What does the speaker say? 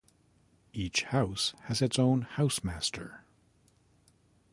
Each house has its own Housemaster.